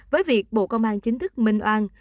với việc bộ công an chính thức minh oan